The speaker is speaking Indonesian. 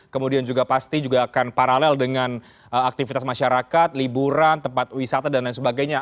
kemudian juga pasti juga akan paralel dengan aktivitas masyarakat liburan tempat wisata dan lain sebagainya